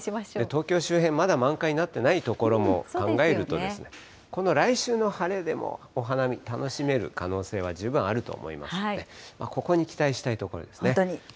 東京周辺、まだ満開になっていない所も考えると、今後、来週の晴れでも、お花見、楽しめる可能性は十分あると思いますので、ここに期待したいとこ本当に。